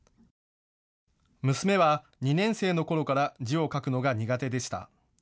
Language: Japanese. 娘は２年生のころから字を書くのが苦手でした。